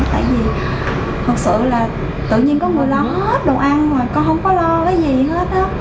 tại vì thực sự là tự nhiên có người lo hết đồ ăn mà con không có lo cái gì hết á